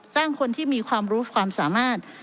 สร้างคนที่มีความรู้ความสามารถ